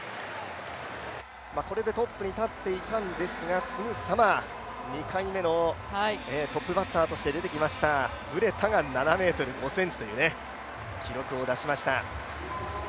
これでトップに立っていたんですがすぐさま２回目のトップバッターとして出てきましたブレタが７ｍ５ｃｍという記録を出しました。